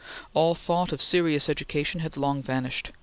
All thought of serious education had long vanished.